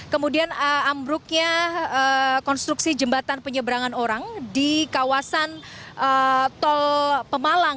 kemudian ambruknya konstruksi jembatan penyeberangan orang di kawasan tol pemalang